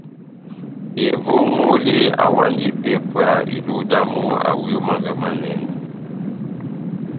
Evongole awandi ipépwa iluhu damu awi ó Mánga Manɛnɛ.